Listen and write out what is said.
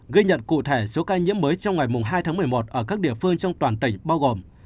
ghi nhận cụ thể số ca nhiễm mới trong ngày hai tháng một mươi một ở các địa phương trong toàn tỉnh bao gồm